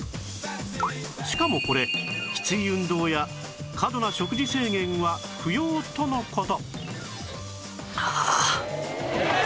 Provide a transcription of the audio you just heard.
しかもこれきつい運動や過度な食事制限は不要との事